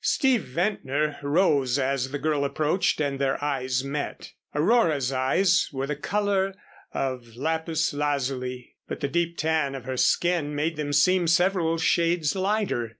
Steve Ventnor rose as the girl approached and their eyes met. Aurora's eyes were the color of lapis lazuli, but the deep tan of her skin made them seem several shades lighter.